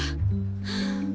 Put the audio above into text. はあ。